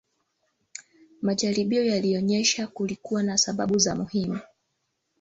majaribio yalionyesha kulikuwa na sababu za muhimu